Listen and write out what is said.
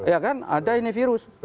ya kan ada ini virus